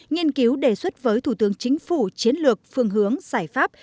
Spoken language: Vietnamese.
nghiên cứu đề xuất với thủ tướng chính phủ chiến lược phương hướng giải pháp